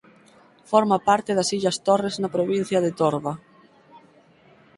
Forma parte das Illas Torres na provincia de Torba.